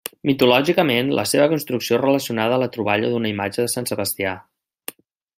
Mitològicament, la seva construcció és relacionada a la troballa d'una imatge de Sant Sebastià.